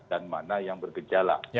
dan mana yang bergejala